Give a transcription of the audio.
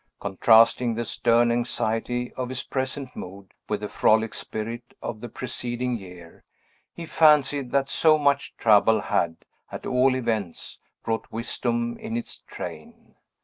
Contrasting the stern anxiety of his present mood with the frolic spirit of the preceding year, he fancied that so much trouble had, at all events, brought wisdom in its train.